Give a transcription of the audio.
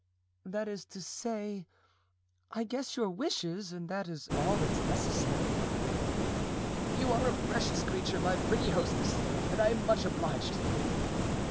"That is to say, I guess your wishes, and that is all that's necessary," said Madeleine. "You are a precious creature, my pretty hostess, and I am much obliged to you."